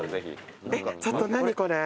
えっちょっと何これ。